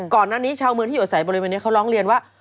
ก่อนนั้นชาวเมืองที่อยู่ใส่ปริเมนเขาล้อมเรียนว่า